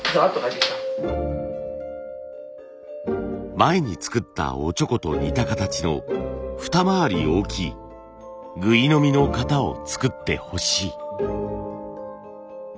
前に作ったおちょこと似た形のふた回り大きいぐい飲みの型を作ってほしい。